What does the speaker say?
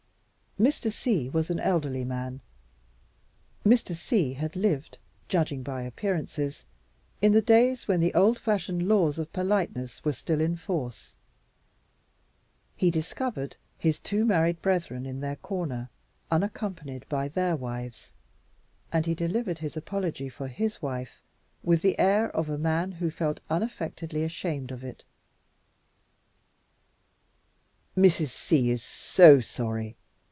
Mr. C was an elderly man; Mr. C had lived (judging by appearances) in the days when the old fashioned laws of politeness were still in force. He discovered his two married brethren in their corner, unaccompanied by their wives; and he delivered his apology for his wife with the air of a man who felt unaffectedly ashamed of it: "Mrs. C is so sorry.